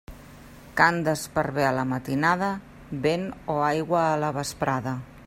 Cant d'esparver a la matinada, vent o aigua a la vesprada.